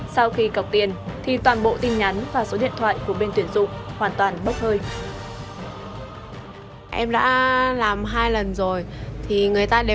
sau khi cọc tiền thì toàn bộ tin nhắn và số điện thoại của bên tuyển dụng hoàn toàn bốc hơi